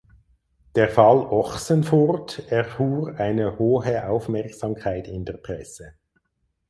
Der „Fall Ochsenfurt“ erfuhr eine hohe Aufmerksamkeit in der Presse.